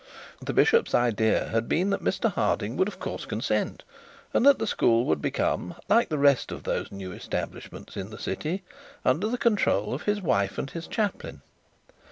The bishop's idea had been that Mr Harding would of course consent, and that the school would become, like the rest of those new establishments in the city, under the control of his wife and his chaplain.